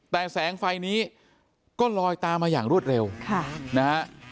แต่แสงไฟนี้ก็ลอยตามมาอย่างรวดเร็วนะฮะ